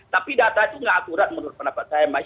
tapi data itu tidak akurat menurut pendapat saya mbak